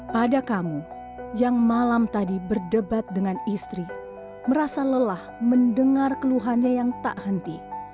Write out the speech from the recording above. pada kamu yang malam tadi berdebat dengan istri merasa lelah mendengar keluhannya yang tak henti